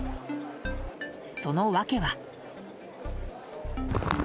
その訳は。